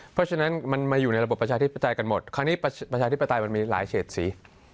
เพราะฉะนั้นมันมาอยู่ในระบบประชาธิปไตยกันหมดคราวนี้ประชาธิปไตยมันมีหลายเฉดสี